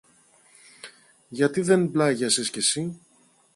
Γιατί δεν πλάγιασες και συ;